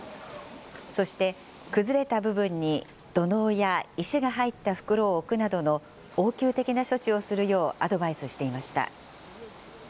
そして、崩れた部分に土のうや石が入った袋を置くなどの応急的な処置をするようアドバイスしていました。